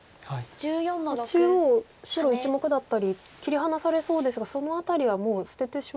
中央白１目だったり切り離されそうですがその辺りはもう捨ててしまっても？